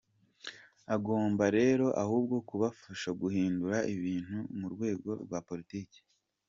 Agomba rero ahubwo kubafasha guhindura ibintu mu rwego rwa politiki.